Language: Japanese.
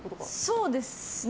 そうですね。